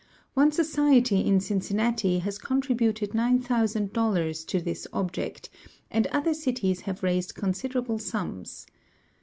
One society in Cincinnati has contributed $9,000 to this object, and other cities have raised considerable sums.